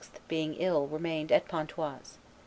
being ill, remained at Pontoise.